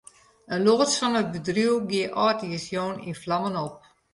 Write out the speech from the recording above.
In loads fan it bedriuw gie âldjiersjûn yn flammen op.